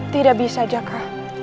tidak bisa jaka